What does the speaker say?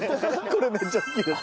これめっちゃ好きです。